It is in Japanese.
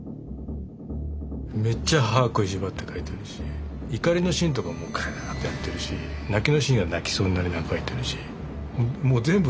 めっちゃ歯食いしばって描いてるし怒りのシーンとかも「クァー！」ってやってるし泣きのシーンは泣きそうになりながら描いてるしもう全部ひどいですよ。